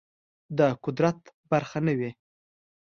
د قدرت برخه نه وي